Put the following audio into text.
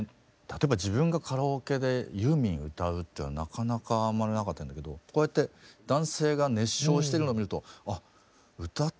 例えば自分がカラオケでユーミン歌うっていうのはなかなかあんまりなかったんだけどこうやって男性が熱唱してるの見ると「あ歌ってもいいんだ。